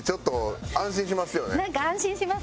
なんか安心します